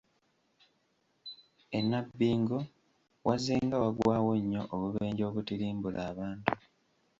E Nnabbingo wazzenga wagwawo nnyo obubenje obutirimbula abantu.